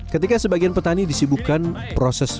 ketika sebagian petani disibukkan proses